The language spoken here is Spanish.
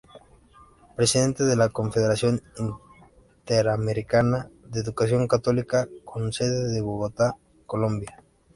Presidente de la Confederación Interamericana de Educación Católica, con sede en Bogotá, Colombia.